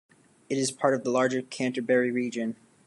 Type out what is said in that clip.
It is part of the larger Canterbury region.